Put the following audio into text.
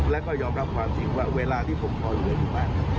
แล้วก็ยอมรับความสิ่งว่าเวลาที่ผมมีเวลาอยู่บ้าง